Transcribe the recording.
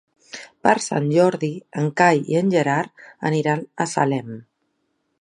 Per Sant Jordi en Cai i en Gerard aniran a Salem.